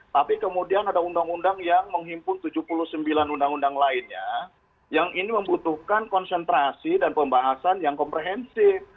tapi kemudian ada undang undang yang menghimpun tujuh puluh sembilan undang undang lainnya yang ini membutuhkan konsentrasi dan pembahasan yang komprehensif